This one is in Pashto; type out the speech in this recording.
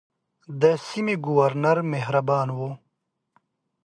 د سیمې ګورنر مهربان وو.